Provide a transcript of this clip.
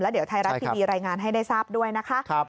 เดี๋ยวไทยรัฐทีวีรายงานให้ได้ทราบด้วยนะคะ